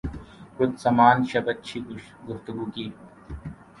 کچھ سامان شب اچھی گفتگو کی